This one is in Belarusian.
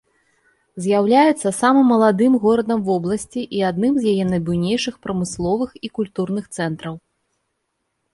З'яўляецца самым маладым горадам вобласці і адным з яе найбуйнейшых прамысловых і культурных цэнтраў.